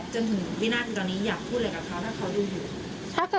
จนถึงวินาทีตอนนี้อยากพูดอะไรกับเขาถ้าเขาดูอยู่